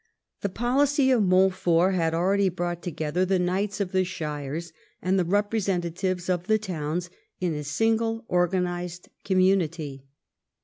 The policy of Montfort had already brought together the knights of the shires and the representatives of the towns in a single organised community.